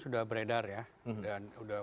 sudah beredar ya dan sudah